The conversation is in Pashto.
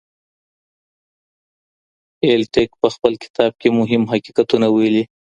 ایلټک په خپل کتاب کې مهم حقیقتونه ویلي.